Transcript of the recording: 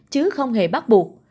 chứ không hề bắt buộc